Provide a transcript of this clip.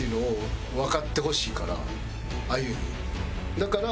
だから。